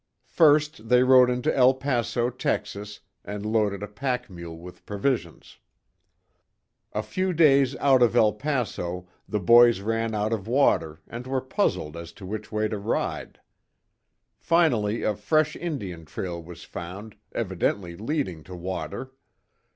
First they rode into El Paso, Texas, and loaded a pack mule with provisions. A few days out of El Paso, the boys ran out of water, and were puzzled as to which way to ride. Finally a fresh Indian trail was found, evidently leading to water.